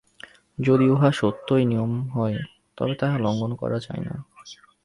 যদি উহা সত্যই নিয়ম হয়, তবে তাহা লঙ্ঘন করা যায় না।